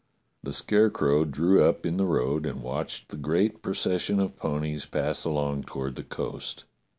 The Scarecrow drew up in the road and watched the great procession of ponies pass along toward the coast.